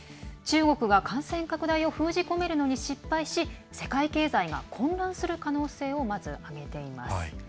中国が感染拡大を封じ込めるのに失敗し世界経済が混乱する可能性をまず挙げています。